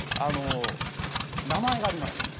名前があります。